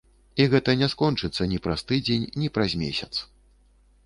І гэта не скончыцца ні праз тыдзень, ні праз месяц.